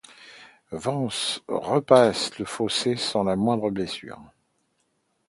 Vence repasse le fossé sans la moindre blessure.